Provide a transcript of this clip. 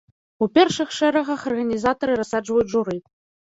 У першых шэрагах арганізатары рассаджваюць журы.